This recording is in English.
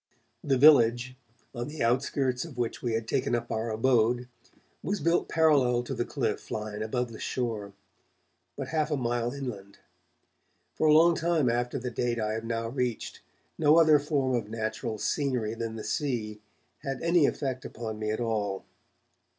The village, on the outskirts of which we had taken up our abode, was built parallel to the cliff line above the shore, but half a mile inland. For a long time after the date I have now reached, no other form of natural scenery than the sea had any effect upon me at all.